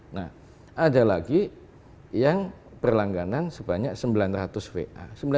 nah ada lagi yang perlangganan sebanyak sembilan ratus va